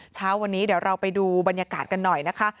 เช้าวันนี้เดี๋ยวเราไปดูบรรยากาศกันหน่อยนะคะ